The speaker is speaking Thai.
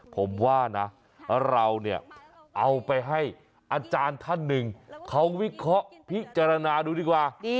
ผมว่านะเราเนี่ยเอาไปให้อาจารย์ท่านหนึ่งเขาวิเคราะห์พิจารณาดูดีกว่า